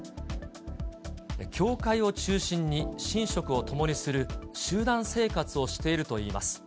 教会を中心に寝食を共にする集団生活をしているといいます。